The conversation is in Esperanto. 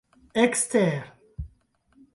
ekster